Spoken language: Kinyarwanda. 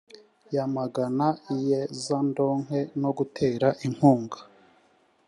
yamagana iyezandonke no gutera inkunga.